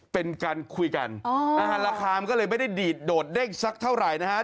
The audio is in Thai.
เป็นการคุยกันราคามันก็เลยไม่ได้ดีดโดดเด้งสักเท่าไหร่นะฮะ